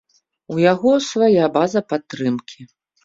У яго свая база падтрымкі.